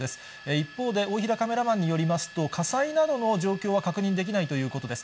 一方で、大平カメラマンによりますと、火災などの状況は確認できないということです。